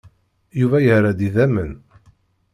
Yuba yerra-d idammen.